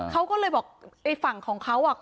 เขาก็เลยบอกไอ้ฝั่งของเขาอ่ะ